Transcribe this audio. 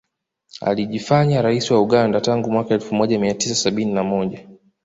Alijifanya rais wa Uganda tangu mwaka elfu moja mia tisa sabini na moja